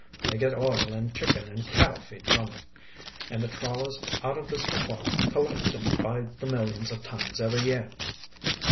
They get oil and chicken and cattle feed from 'em, and the trawlers out of this port collect 'em by the millions of tons every year."